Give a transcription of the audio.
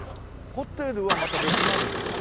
ホテルはまた別なんですか？